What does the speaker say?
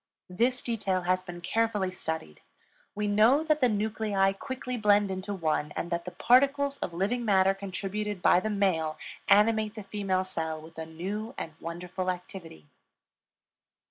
This detail has been carefully studied; we know that the nuclei quickly blend into one, and that the particles of living matter contributed by the male animate the female cell with a new and wonderful activity.